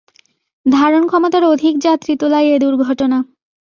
ধারণক্ষমতার অধিক যাত্রী তোলায় এ দুর্ঘটনা।